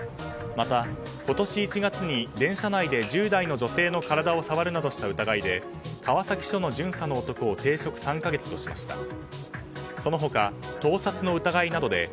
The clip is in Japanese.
また、今年１月に電車内で１０代の女性の体を触るなどした疑いで川崎署の巡査の男を停職３か月としました。